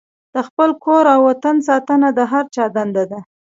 د خپل کور او وطن ساتنه د هر چا دنده ده.